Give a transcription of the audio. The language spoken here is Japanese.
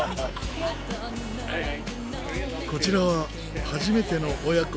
こちらは初めての親子